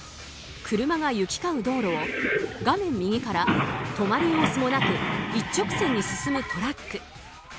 車が行き交う道路を画面右から止まる様子もなく一直線に進むトラック。